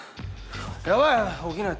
やばい！